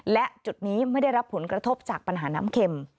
และจุดนี้ไม่ได้รับผลกระทบจากปัญหาน้ำเข็ม